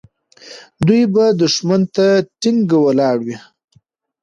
دوی به دښمن ته ټینګ ولاړ وي.